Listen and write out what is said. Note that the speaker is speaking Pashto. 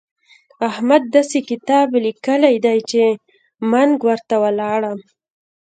احمد داسې کتاب ليکلی دی چې منګ ورته ولاړم.